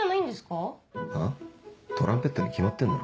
トランペットに決まってんだろ。